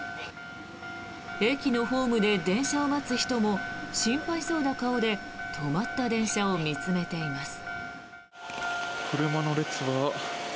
駅のホームで電車を待つ人も心配そうな顔で止まった電車を見つめています。